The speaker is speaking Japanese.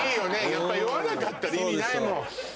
やっぱり酔わなかったら意味ないもん。